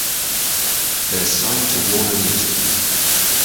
They are signed to Warner Music.